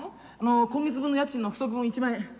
今月分の家賃の不足分１万円。